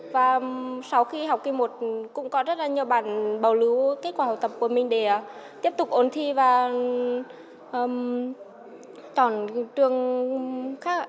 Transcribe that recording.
và sau khi học kỳ một cũng có rất nhiều bạn bảo lưu kết quả học tập của mình để tiếp tục ổn thi và chọn trường khác